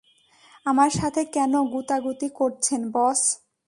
আমার সাথে কেন গুতাগুতি করছেন, বস?